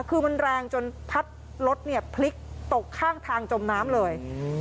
คือมันแรงจนพัดรถเนี่ยพลิกตกข้างทางจมน้ำเลย